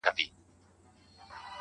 لکه لوبغاړی ضرورت کي په سر بال وهي_